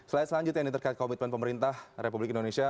slide selanjutnya ini terkait komitmen pemerintah republik indonesia